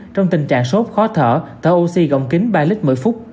trong tình trạng sốt khó thở thở oxy gọng kính ba lít một mươi phút